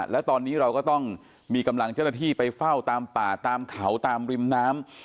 แล้วตอนนี้เราก็ต้องมีกำลังเจ้าหน้าที่ไปเฝ้าตามป่าตามเขาตามริมน้ำ